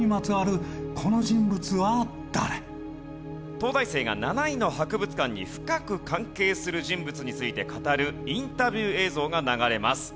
東大生が７位の博物館に深く関係する人物について語るインタビュー映像が流れます。